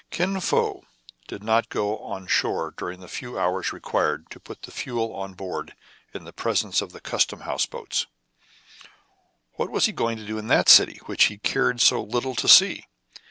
Kin Fo did not go on shore during the few hours required to put the fuel on board in the presence of the custom house boats. What was he going to do in that city, which he cared so little to see.